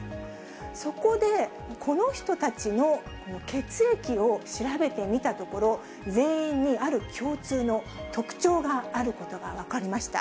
そこで、この人たちの血液を調べてみたところ、全員にある共通の特徴があることが分かりました。